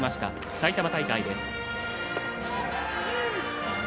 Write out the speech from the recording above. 埼玉大会です。